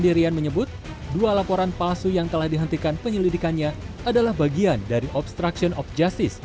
bahwa penyelidikan yang telah dihentikan adalah bagian dari obstruction of justice